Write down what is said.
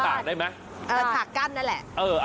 จากกั้นนั่นแหละ